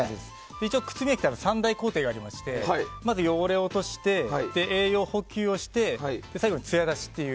一応、靴磨きって三大工程がありまして汚れを落として栄養補給をして最後に、つや出しという。